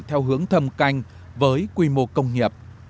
theo hướng thầm canh với quy mô công nghiệp